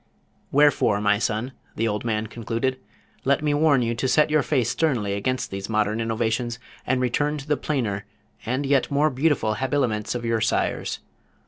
"Wherefore, my son," the old man concluded, "let me warn you to set your face sternly against these modern innovations, and to return to the plainer, and yet more beautiful habiliments of your sires.